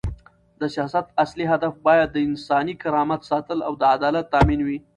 د سیاست اصلي هدف باید د انساني کرامت ساتل او د عدالت تامین وي.